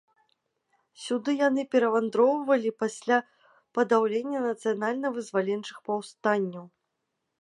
Сюды яны перавандроўвалі пасля падаўлення нацыянальна-вызваленчых паўстанняў.